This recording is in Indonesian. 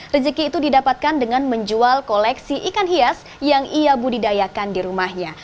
rezeki itu didapatkan dengan menjual koleksi ikan hias yang ia budidayakan di rumahnya